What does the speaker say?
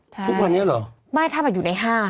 ทุกพันธุ์นี้หรอไม่ถ้าอยู่ใน๕ค่ะ